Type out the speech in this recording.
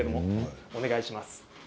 お願いします。